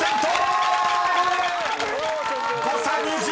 ［誤差２０！